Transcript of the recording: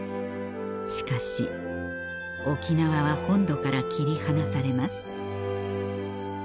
しかし沖縄は本土から切り離されます